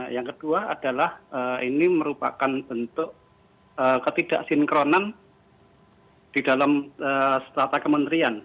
yang kedua adalah ini merupakan bentuk ketidaksinkronan di dalam setata kementerian